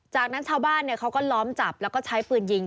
จากนั้นชาวบ้านเขาก็ล้อมจับแล้วก็ใช้ปืนยิง